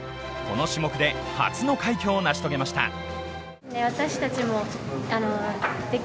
この種目で初の快挙を成し遂げました。